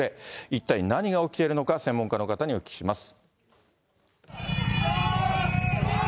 一体何が起きているのか、専門家の方にお聞きします。